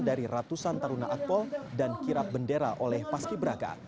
dari ratusan taruna akpol dan kirap bendera oleh paski beraka